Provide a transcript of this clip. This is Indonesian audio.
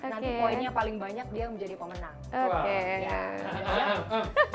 nanti poinnya paling banyak dia yang menjadi pemenang